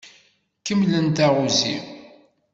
Kemmlem taɣuzi.